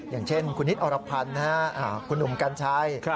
อย่างเช่นคุณนิตอรพันธ์นะฮะคุณอุ่มกันชัย